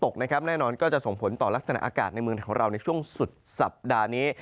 แน่นอนก็จะส่งผลต่อลักษณะอากาศในเมืองของเราในช่วงสุดสัปดาห์นี้